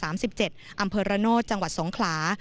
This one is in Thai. อำเภอระโนธจังหวัดสงขลา